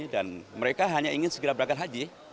dan mereka hanya ingin segera berangkat haji